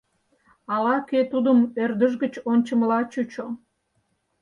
Ала-кӧ тудым ӧрдыж гыч ончымыла чучо.